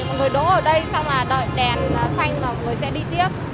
mọi người đỗ ở đây xong là đợi đèn xanh và người sẽ đi tiếp